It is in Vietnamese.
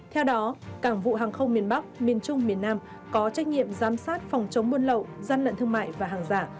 theo đó cảng vụ hàng không miền bắc miền trung miền nam có trách nhiệm giám sát phòng chống buôn lậu gian lận thương mại và hàng giả